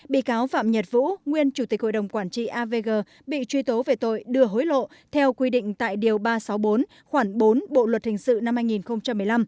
bị cáo phạm nhật vũ nguyên chủ tịch hội đồng quản trị avg bị truy tố về tội đưa hối lộ theo quy định tại điều ba trăm sáu mươi bốn khoảng bốn bộ luật hình sự năm hai nghìn một mươi năm